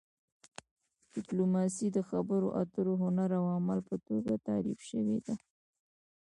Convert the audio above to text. ډیپلوماسي د خبرو اترو هنر او عمل په توګه تعریف شوې ده